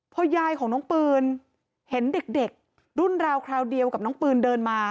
พอยายของน้องปืนเห็นเด็กรุ่นราวคราวเดียวกับน้องปืนเดินมา